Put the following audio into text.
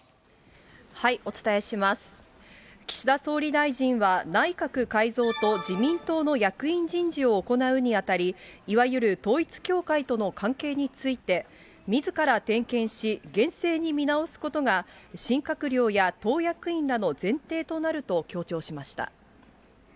岸田総理大臣は、内閣改造と自民党の役員人事を行うにあたり、いわゆる統一教会との関係について、みずから点検し、厳正に見直すことが新閣僚や党役員らの前提となると強調しました。